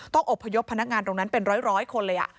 อบพยพพนักงานตรงนั้นเป็นร้อยคนเลย